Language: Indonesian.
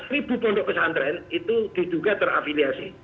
seribu pondok pesantren itu diduga terafiliasi